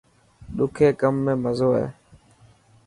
ڏکي ڪم ۾ مزو هي.